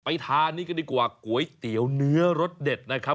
ทานนี้กันดีกว่าก๋วยเตี๋ยวเนื้อรสเด็ดนะครับ